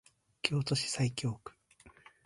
京都市西京区